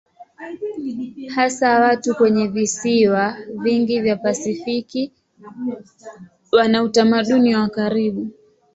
Hasa watu kwenye visiwa vingi vya Pasifiki wana utamaduni wa karibu.